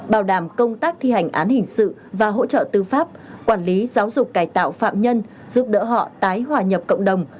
bảo đảm công tác thi hành án hình sự và hỗ trợ tư pháp quản lý giáo dục cải tạo phạm nhân giúp đỡ họ tái hòa nhập cộng đồng